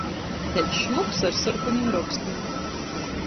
Taids šmuks ar sorkonim rokstim.